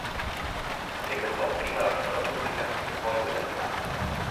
Frequentò prima la scuola pubblica e poi quella privata.